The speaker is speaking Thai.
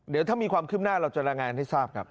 เดี๋ยวถ้ามีความคืบหน้าเราจะรายงานให้ทราบครับ